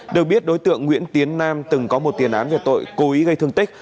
được biết đối tượng nguyễn tiến nam từng có một tiền án về tội cố ý gây thương tích